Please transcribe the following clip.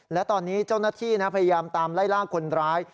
และตอนนี้เจ้าหน้าที่พยายามตามไล่ล่าคนร้าย